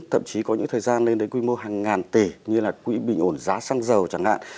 thậm chí có những thời gian lên đến quy mô hàng ngàn tỷ như là quỹ bình ổn giá xăng dầu chẳng hạn